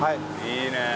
いいねえ。